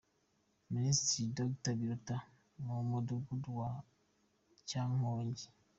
Minisitiri Dr Biruta mu mudugudu wa Cyankongi.